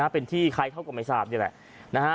เป็นที่ใครเขาก็ไม่ทราบนี่แหละ